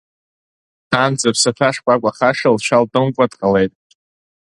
Сан, зыԥсаҭа шкәакәахаша, лцәа лтәымкәа дҟалеит.